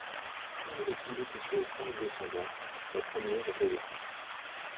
Toujours est-il que sur les cinq Descendants, la première est avec nous.